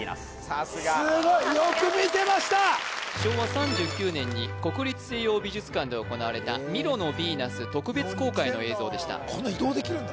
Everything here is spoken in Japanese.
さすがすごいよく見てました昭和３９年に国立西洋美術館で行われたミロのヴィーナス特別公開の映像でしたこんな移動できるんだ